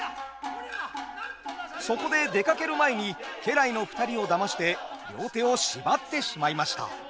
そこで出かける前に家来の２人をだまして両手を縛ってしまいました。